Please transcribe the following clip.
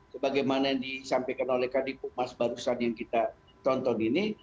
sebagaimana yang disampaikan oleh kadipu mas barusan yang kita tonton ini